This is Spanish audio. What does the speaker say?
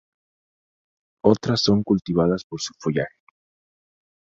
Otras son cultivadas por su follaje.